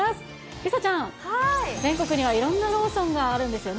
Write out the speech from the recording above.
梨紗ちゃん、全国にはいろんなローソンがあるんですよね。